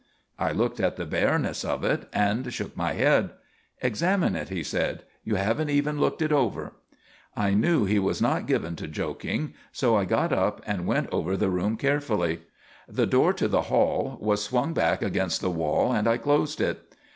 I looked at the bareness of it and shook my head. "Examine it," he said. "You haven't even looked it over." I knew he was not given to joking, so I got up and went over the room carefully. The door to the hall was swung back against the wall and I closed it.